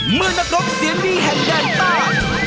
เมื่อนักรบเสียดีแห่งแดนต้า